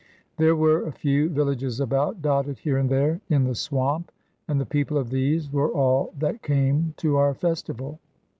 There were a few villages about, dotted here and there in the swamp, and the people of these were all that came to our festival.